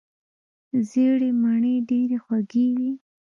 ژیړې مڼې ډیرې خوږې وي.